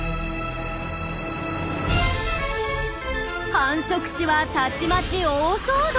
繁殖地はたちまち大騒動。